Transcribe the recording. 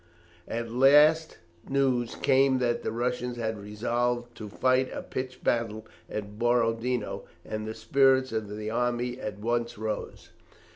At last news came that the Russians had resolved to fight a pitched battle at Borodino, and the spirits of the army at once rose.